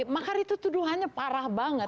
makar itu tuduhannya parah banget